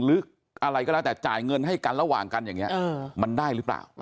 หรืออะไรก็แล้วแต่จ่ายเงินให้กันระหว่างกันอย่างนี้มันได้หรือเปล่า